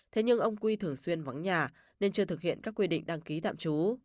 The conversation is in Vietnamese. thế nhưng ông quy thường xuyên vắng nhà nên chưa thực hiện các quy định đăng ký tạm trú